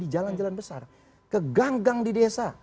jangan jalan ke ganggang di desa